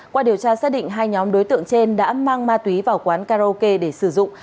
qua điều tra xác định hai nhóm đối tượng trên đã mang ma túy vào quán karaoke để sử dụng